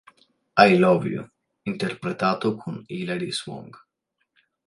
I Love You", interpretato con Hilary Swank.